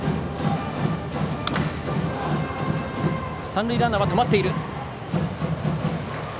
三塁ランナーは止まっている。